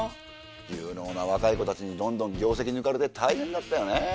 有能な若い子たちにどんどん業績抜かれて大変だったよね。